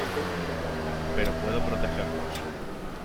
Pero puedo protegerlos".